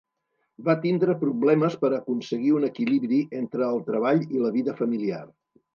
Va tindre problemes per aconseguir un equilibri entre el treball i la vida familiar.